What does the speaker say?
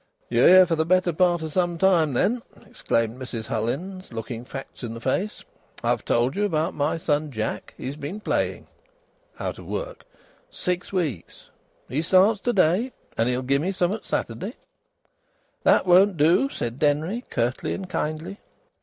"Ye're here for th' better part o' some time, then," observed Mrs Hullins, looking facts in the face. "I've told you about my son Jack. He's been playing [out of work] six weeks. He starts to day, and he'll gi me summat Saturday." "That won't do," said Denry, curtly and kindly.